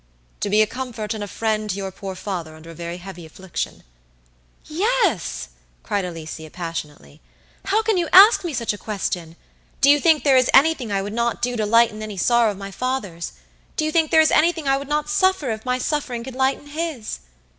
"To be a comfort and a friend to your poor father under a very heavy affliction." "Yes!" cried Alicia, passionately. "How can you ask me such a question? Do you think there is anything I would not do to lighten any sorrow of my father's? Do you think there is anything I would not suffer if my suffering could lighten his?"